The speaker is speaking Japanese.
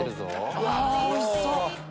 うわおいしそう！